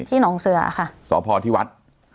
ที่หนองเสือสพที่วัด